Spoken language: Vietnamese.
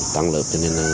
tăng lớp cho nên